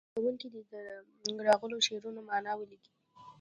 زده کوونکي دې د راغلو شعرونو معنا ولیکي.